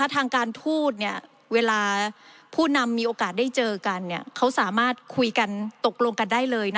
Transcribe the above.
ทางการทูตเวลาผู้นำมีโอกาสได้เจอกันเขาสามารถคุยกันตกลงกันได้เลย